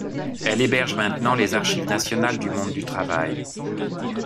Elle héberge maintenant les Archives nationales du monde du travail.